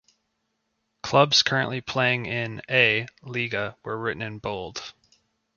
Clubs currently playing in A Lyga are written in Bold.